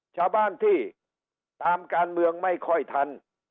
ชาวบ้านที่ตามการเมืองไม่ค่อยทัน